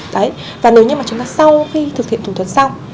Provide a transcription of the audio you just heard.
đấy và nếu như mà chúng ta sau khi thực hiện thủ thuật xong